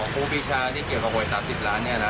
ครูปีชานี่เกี่ยวกับหวย๓๐ล้านเนี่ยนะ